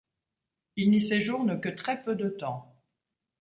Il n'y séjourne que très peu de temps.